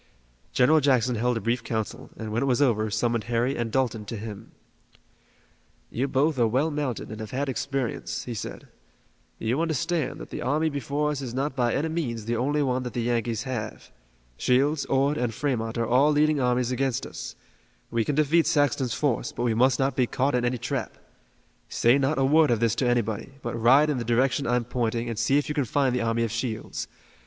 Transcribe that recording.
General Jackson held a brief council, and, when it was over, summoned Harry and Dalton to him. "You are both well mounted and have had experience," he said. "You understand that the army before us is not by any means the only one that the Yankees have. Shields, Ord and Fremont are all leading armies against us. We can defeat Saxton's force, but we must not be caught in any trap. Say not a word of this to anybody, but ride in the direction I'm pointing and see if you can find the army of Shields.